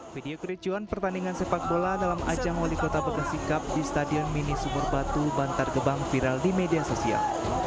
video kericuan pertandingan sepak bola dalam ajang wali kota bekasi cup di stadion mini sumur batu bantar gebang viral di media sosial